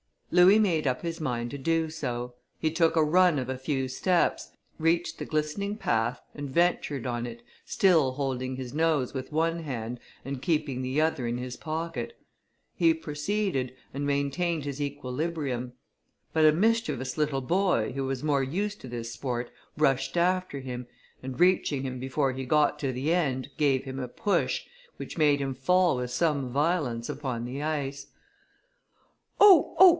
Louis made up his mind to do so; he took a run of a few steps, reached the glistening path, and ventured on it, still holding his nose with one hand and keeping the other in his pocket. He proceeded, and maintained his equilibrium; but a mischievous little boy, who was more used to this sport, rushed after him, and reaching him before he got to the end, gave him a push, which made him fall with some violence upon the ice. "Oh! oh!